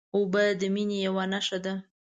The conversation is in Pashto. اوبه د مینې یوه نښه ده.